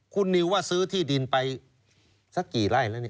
คุณนิวว่าซื้อที่ดินไปสักกี่ไร่แล้ว